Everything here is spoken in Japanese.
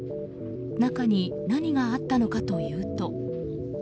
中に何があったのかというと。